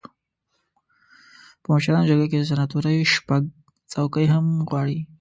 په مشرانو جرګه کې د سناتورۍ شپږ څوکۍ هم غواړي.